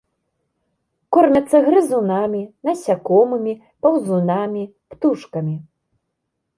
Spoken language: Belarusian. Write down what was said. Кормяцца грызунамі, насякомымі, паўзунамі, птушкамі.